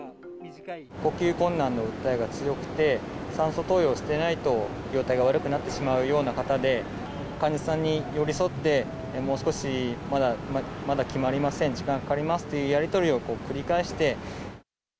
呼吸困難の訴えが強くて、酸素投与していないと、容体が悪くなってしまうような方で、患者さんに寄り添ってもう少しまだ決まりません、時間がかかりますというやり取りを繰り返して。